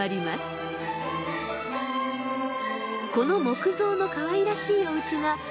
この木造のかわいらしいおうちが国王のお住まい。